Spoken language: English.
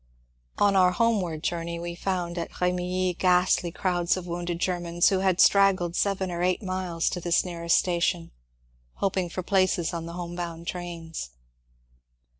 *' On our homeward journey we found at Bemilly ghastly crowds of wounded Germans who had straggled seven or eight miles to this nearest station, hoping for places on the home bound trains.